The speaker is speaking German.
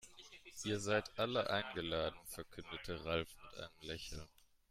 "Ihr seid alle eingeladen", verkündete Ralf mit einem Lächeln.